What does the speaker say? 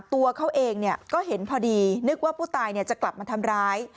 ตัวเขาเองก็เห็นพอดีนึกว่าผู้ตายจะกลับมาทำร้าย